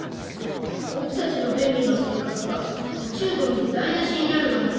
僕たちの便利な生活が宇宙ゴミで台なしになるなんて。